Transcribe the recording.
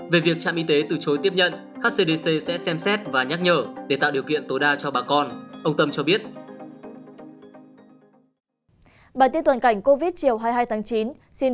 về việc trạm y tế từ chối tiếp nhận hcdc sẽ xem xét và nhắc nhở để tạo điều kiện tối đa cho bà con